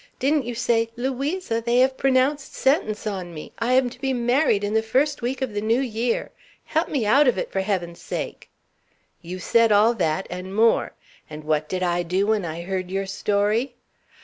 Didn't you say, 'Louisa, they have pronounced sentence on me! I am to be married in the first week of the New Year. Help me out of it, for Heaven's sake!' You said all that, and more. And what did I do when I heard your story?"